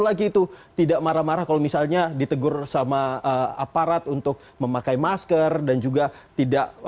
lagi itu tidak marah marah kalau misalnya ditegur sama aparat untuk memakai masker dan juga tidak